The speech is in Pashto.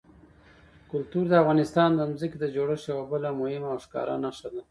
کلتور د افغانستان د ځمکې د جوړښت یوه بله مهمه او ښکاره نښه ده.